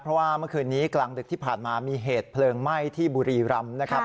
เพราะว่าเมื่อคืนนี้กลางดึกที่ผ่านมามีเหตุเพลิงไหม้ที่บุรีรำนะครับ